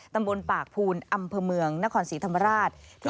ตำบลปากภูนอำเภอเมืองนครศรีธรรมราช